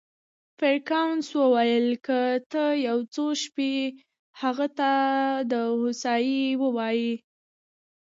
فرګوسن وویل: که ته یو څو شپې هغې ته د هوسایۍ وواېې.